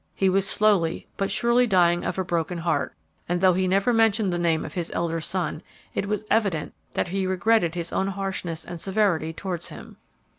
He was slowly but surely dying of a broken heart, and, though he never mentioned the name of his elder son, it was evident that he regretted his own harshness and severity towards him.